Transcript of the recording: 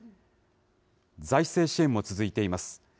財政支援も続いています。